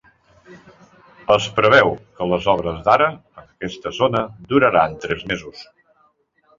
Es preveu que les obres d’ara en aquesta zona duraran tres mesos.